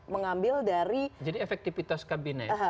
mengambil dari jadi efektivitas kabinet